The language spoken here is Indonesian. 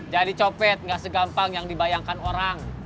jadi copet gak segampang yang dibayangkan orang